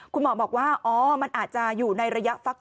คุณหมอบอกว่าอ๋อมันอาจจะอยู่ในระยะฟัก